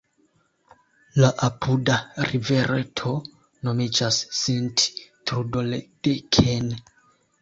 La apuda rivereto nomiĝas "Sint-Trudoledeken".